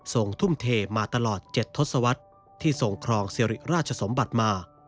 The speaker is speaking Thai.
ส่งทุ่มเทมาตลอด๗ทศวรรษที่ทรงครองสิริราชสมบัติมา